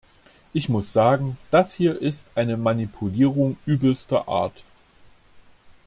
Ich muss sagen, das hier ist eine Manipulierung übelster Art.